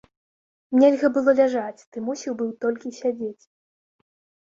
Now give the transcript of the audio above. Нельга было ляжаць, ты мусіў быў толькі сядзець.